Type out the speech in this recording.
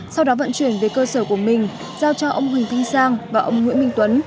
sau đó vận chuyển về cơ sở của mình giao cho ông huỳnh thanh sang và ông nguyễn minh tuấn